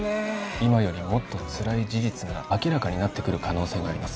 今よりもっとつらい事実が明らかになってくる可能性があります